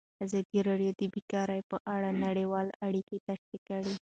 ازادي راډیو د بیکاري په اړه نړیوالې اړیکې تشریح کړي.